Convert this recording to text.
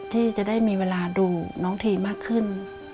ที่จะได้มีเวลาดูน้องทีมากขึ้น